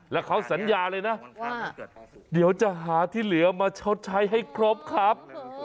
แล้วเขาสัญญาเลยนะว่าเดี๋ยวจะหาที่เหลือมาชดใช้ให้ครบครับ